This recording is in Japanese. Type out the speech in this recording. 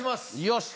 よし！